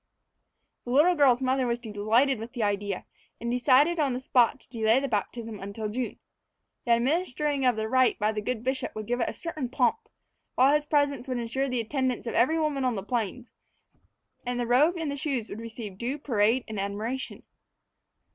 The little girl's mother was delighted with the idea, and decided on the spot to delay the baptism until June. The administering of the rite by the good bishop would give it a certain pomp, while his presence would insure the attendance of every woman on the plains, and the robe and the shoes would receive due parade and admiration.